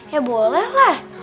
ya boleh lah